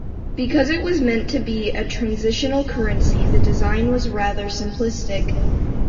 Because it was meant to be a transitional currency, the design was rather simplistic.